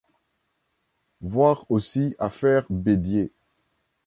Voir aussi Affaire Bédier.